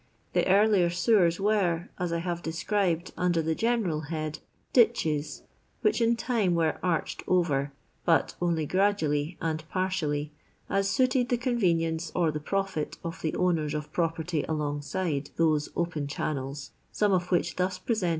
The earlier sewers were as I have described under the general head — ditches, which in time were arched over, but only gradually and partially, as suited the convenience or the profit of the owners of property alongside those open channels, some of which thud preseut'.'